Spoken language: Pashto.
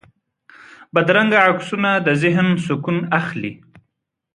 بدرنګه عکسونه د ذهن سکون اخلي